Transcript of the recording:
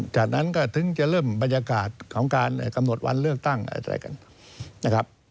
จากนั้นก็ถึงจะเริ่มบรรยากาศของการกำหนดวันเลือกตั้งอะไรกันนะครับ